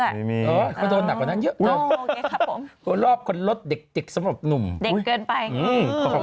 ไม่มีคนโดนหนักกว่านั้นเยอะหรอกเยอะแคบผม